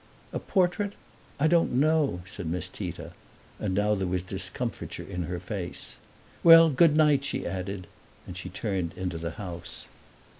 "A portrait? I don't know," said Miss Tita; and now there was discomfiture in her face. "Well, good night!" she added; and she turned into the house.